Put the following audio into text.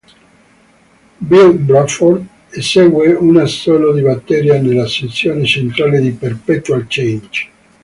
Bill Bruford esegue un assolo di batteria nella sezione centrale di "Perpetual Change".